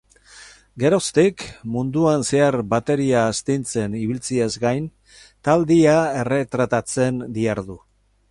Geroztik, munduan zehar bateria astintzen ibiltzeaz gain, taldea erretratatzen dihardu.